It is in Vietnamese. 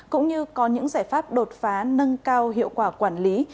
cũng như có những giải pháp đột phá nâng cao hiệu quả quản lý